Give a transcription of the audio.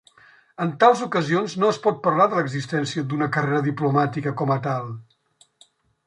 En tals ocasions no es pot parlar de l'existència d'una carrera diplomàtica com a tal.